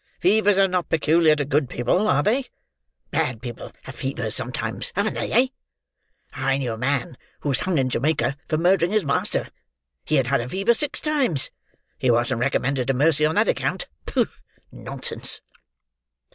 Fevers are not peculiar to good people; are they? Bad people have fevers sometimes; haven't they, eh? I knew a man who was hung in Jamaica for murdering his master. He had had a fever six times; he wasn't recommended to mercy on that account. Pooh! nonsense!"